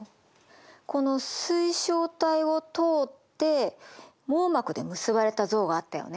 この水晶体を通って網膜で結ばれた像があったよね？